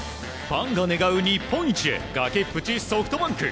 ファンが願う日本一へ崖っぷち、ソフトバンク。